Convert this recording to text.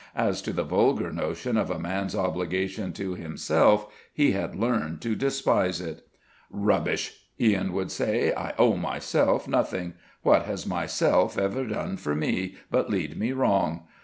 As to the vulgar notion of a man's obligation to himself, he had learned to despise it. "Rubbish!" Ian would say. "I owe my self nothing. What has my self ever done for me, but lead me wrong?